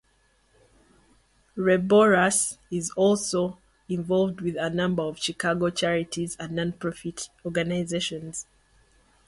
Reboyras is also involved with a number of Chicago charities and non-profit organizations.